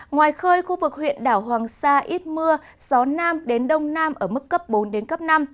ngoài khơi khu vực huyện đảo hoàng sa ít mưa gió nam đến đông nam ở mức cấp bốn đến cấp năm